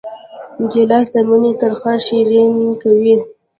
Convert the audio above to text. ګیلاس د مینې ترخه شیرین کوي.